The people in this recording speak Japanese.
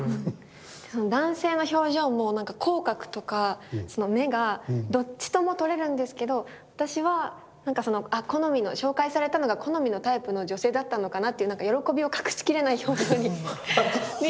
その男性の表情も口角とか目がどっちとも取れるんですけど私は紹介されたのが好みのタイプの女性だったのかなって喜びを隠しきれない表情に見えたので。